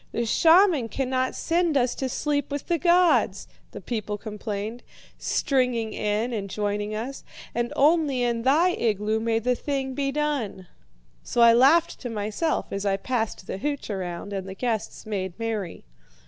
"'The shaman cannot send us to sleep with the gods,' the people complained, stringing in and joining us, 'and only in thy igloo may the thing be done.' "So I laughed to myself as I passed the hooch around and the guests made merry.